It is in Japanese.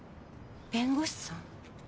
弁護士さん？